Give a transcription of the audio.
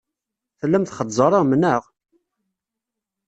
Tellam txeẓẓrem, neɣ?